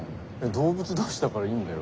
動物同士だからいいんだよ。